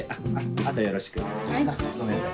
あとよろしくごめんなさい。